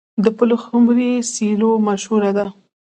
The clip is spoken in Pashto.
د پلخمري سیلو مشهوره ده.